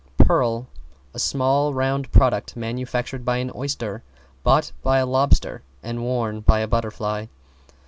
=PEARL= A small round product manufactured by an oyster, bought by a lobster and worn by a butterfly.